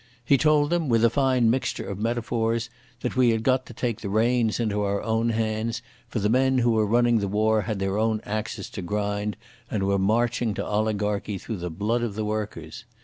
He told them with a fine mixture of metaphors that we had got to take the reins into our own hands, for the men who were running the war had their own axes to grind and were marching to oligarchy through the blood of the workers.